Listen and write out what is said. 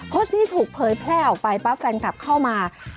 โพสต์นี้ถูกเผยแพร่ออกไปปั๊บแฟนคลับเข้ามา